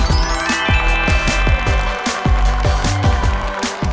ครับ